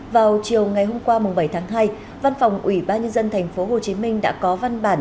vào chiều ngày hôm qua bảy tháng hai văn phòng ủy ban nhân dân tp hcm đã có văn bản